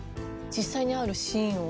実際にあるシーンを？